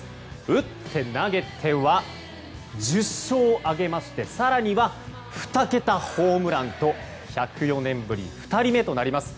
打って、投げては１０勝を挙げまして、更には２桁ホームランと１０４年ぶり２人目となります。